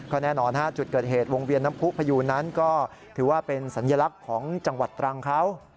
แน่นอนจุดเกิดเหตุวงเวียนน้ำผู้พยูนั้นก็ถือว่าเป็นสัญลักษณ์ของจังหวัดตรังเขา